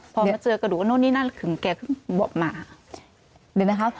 พอมาเจอกระดูกโน้นนี่นั่นคือแกบอกมาเดี๋ยวนะครับ